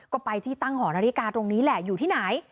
ก็ไปที่ตั้งหอนาฬิกาตรงนี้แหละอยู่ที่ไหน